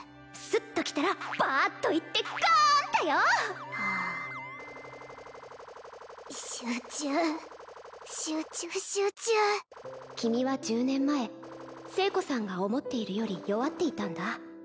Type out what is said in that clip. スッときたらバアッといってガーンだよはあ集中集中集中君は１０年前清子さんが思っているより弱っていたんだ